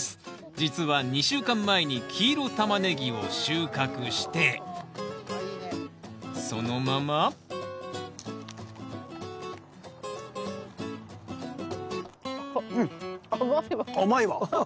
実は２週間前に黄色タマネギを収穫してそのままあっ